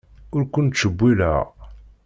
Ur ken-ttcewwileɣ.